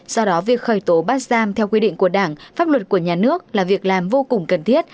do đó việc khởi tố bắt giam theo quy định của đảng pháp luật của nhà nước là việc làm vô cùng cần thiết